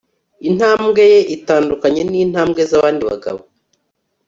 Intambwe ye itandukanye nintambwe zabandi bagabo